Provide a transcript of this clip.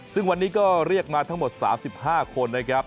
ซึ่งวันนี้ก็เรียกมาทั้งหมด๓๕คนนะครับ